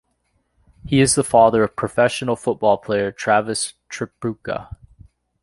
He is the father of professional football player Travis Tripucka.